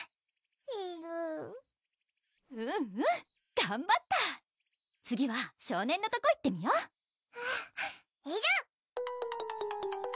えるうんうんがんばった次は少年のとこ行ってみよえるっ！